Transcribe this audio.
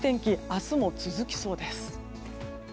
明日も続きそうです。